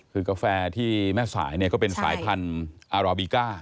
คือกาแฟที่แม่สายเนี่ยก็เป็นสายพันธุ์อาราบิก้า